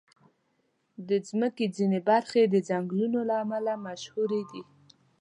د مځکې ځینې برخې د ځنګلونو له امله مشهوري دي.